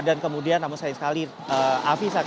dan kemudian namun sekali sekali avisa